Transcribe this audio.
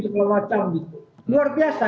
segala macam gitu luar biasa